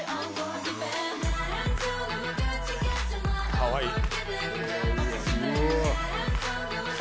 かわいい！